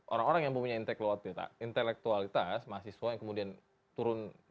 orang orang yang punya intelektualitas mahasiswa yang kemudian turun